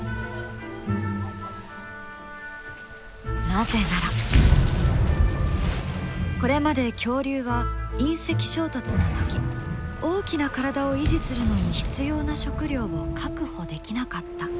なぜならこれまで恐竜は隕石衝突の時大きな体を維持するのに必要な食料を確保できなかった。